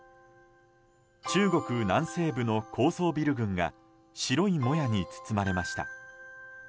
中国南西部の高層ビル群が白いもやに包まれました。